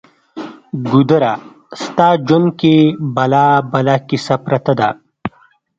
ګودره! ستا ژوند کې بلا بلا کیسه پرته ده